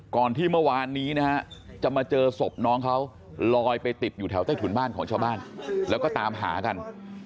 ก่อนที่เมื่อวานนี้นะฮะจะมาเจอศพน้องเขาลอยไปติดอยู่แถวใต้ถุนบ้านของชาวบ้านแล้วก็ตามหากัน